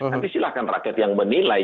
nanti silahkan rakyat yang menilai